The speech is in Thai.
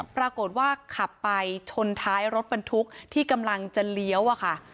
ปรากฏว่าขับไปชนท้ายรถบรรทุกที่กำลังจะเลี้ยวอะค่ะ